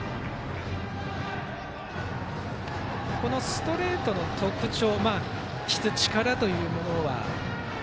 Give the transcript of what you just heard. ストレートの特徴質、力というものは？